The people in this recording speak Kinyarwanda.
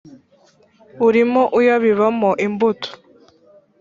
urimo uyabibamo imbuto